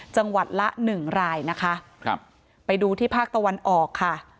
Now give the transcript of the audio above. จังหวัดละ๑รายนะคะไปดูที่ภาคตะวันออกค่ะ